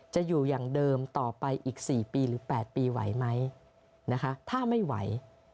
จะอยู่อย่างเดิมต่อไปอีก๔๘ปีไหวไหมถ้าไม่ไหว